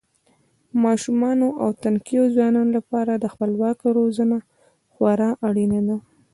ماشومانو او تنکیو ځوانانو لپاره خپلواکه روزنه خورا اړینه ده.